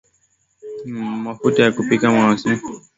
Mafuta ya kupikia mawese au alizeti Vijiko vya chakula nne